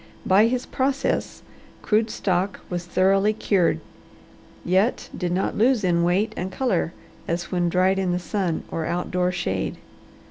By his process crude stock was thoroughly cured, yet did not lose in weight and colour as when dried in the sun or outdoor shade.